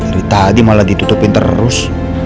dari tadi malah ditutupin terus